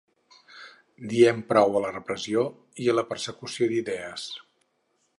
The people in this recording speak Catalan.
Diem prou a la repressió i la persecució d’idees.